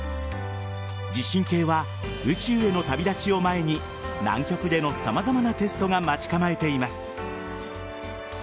地震計は宇宙への旅立ちを前に南極での様々なテストが待ち構えています。